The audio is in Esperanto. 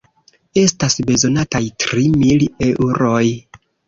Estas bezonataj tri mil eŭroj.